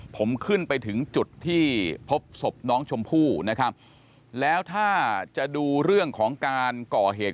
ผมขึ้นไปถึงจุดที่พบศพน้องชมพู่นะครับแล้วถ้าจะดูเรื่องของการก่อเหตุ